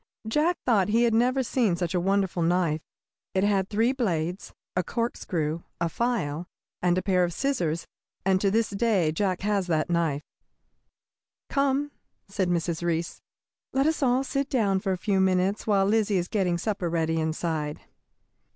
Jack thought he had never seen such a wonderful knife. It had three blades, a corkscrew, a file, and a pair of scissors, and to this day Jack has that knife. "Come," said Mrs. Reece, "let us all sit down for a few minutes while Lizzie is getting supper ready inside."